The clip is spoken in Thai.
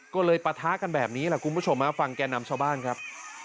ก็เลยปะทะกันแบบนี้แหละคุณผู้ชมฟังแก่นำชาวบ้านครับ